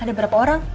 ada berapa orang